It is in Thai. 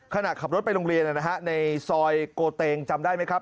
ขณะขับรถไปโรงเรียนในซอยโกเตงจำได้ไหมครับ